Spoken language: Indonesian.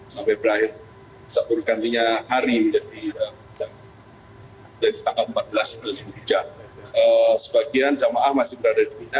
sampai berakhir sepuluh gantinya hari jadi tanggal empat belas sepuluh jam sebagian jemaah masih berada di kita